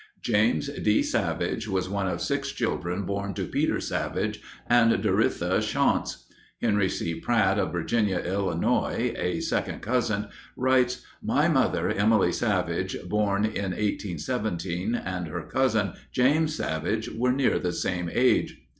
James D. Savage was one of six children born to Peter Savage and Doritha Shaunce. Henry C. Pratt of Virginia, Illinois, a second cousin, writes, "My mother, Emily Savage, born in 1817, and her cousin, James Savage, were near the same age."